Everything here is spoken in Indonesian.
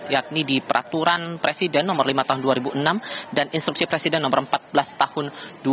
yakni di peraturan presiden nomor lima tahun dua ribu enam dan instruksi presiden nomor empat belas tahun dua ribu dua